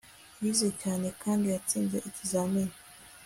yize cyane kandi yatsinze ikizamini